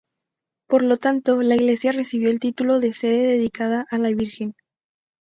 Por lo tanto, la iglesia recibió el título de sede dedicada a la Virgen.